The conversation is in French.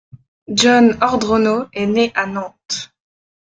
John Ordronaux est né à Nantes.